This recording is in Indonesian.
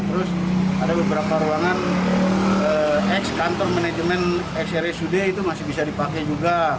terus ada beberapa ruangan ex kantor manajemen rsud itu masih bisa dipakai juga